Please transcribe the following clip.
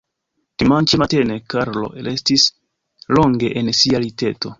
Dimanĉe matene Karlo restis longe en sia liteto.